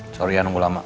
sorry ya nunggu lama